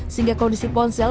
sehingga kondisi ponsel